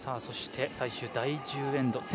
そして、最終第１０エンド。